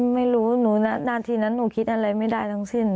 ไม่รู้หนูนาทีนั้นหนูคิดอะไรไม่ได้ทั้งสิ้น